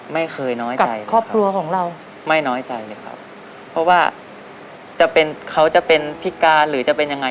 ไม่เคยน้อยใจครอบครัวของเราไม่น้อยใจเลยครับเพราะว่าจะเป็นเขาจะเป็นพิการหรือจะเป็นยังไง